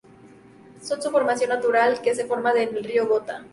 Son una formación natural que se forma en el río Göta.